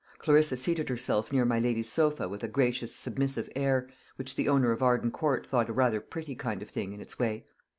Clarissa seated herself near my lady's sofa with a gracious submissive air, which the owner of Arden Court thought a rather pretty kind of thing, in its way.